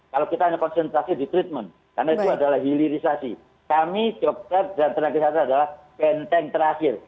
kalau kita hanya konsentrasi di treatment karena itu adalah hilirisasi kami dokter dan tenaga kesehatan adalah benteng terakhir